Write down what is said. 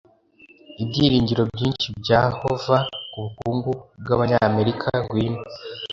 ibyiringiro byinshi bya hoover kubukungu bwabanyamerika ngwino